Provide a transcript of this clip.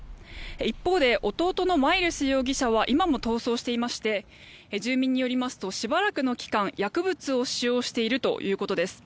一方で、弟のマイルス容疑者は今も逃走していまして住民によりますとしばらくの期間薬物を使用しているということです。